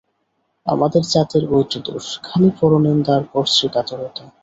আমাদের জাতের ঐটে দোষ, খালি পরনিন্দা আর পরশ্রীকাতরতা।